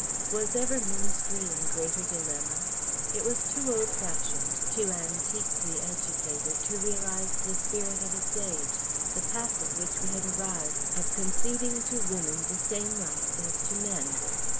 Was ever Ministry in a greater dilemma? It was too old fashioned, too antiquely educated to realize the spirit of its age, the pass at which we had arrived of conceding to Women the same rights as to men.